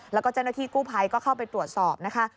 แล้วก็เจ้าหน้าที่กู้ภัยก็เข้าไปตรวจสอบนะคะ